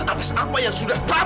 atas apa yang sudah